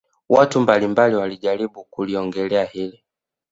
Watu mbali mbali wamejaribu kuliongelea hili